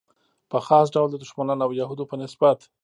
په خاص ډول د دښمنانو او یهودو په نسبت.